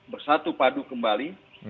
bersatu padu kembali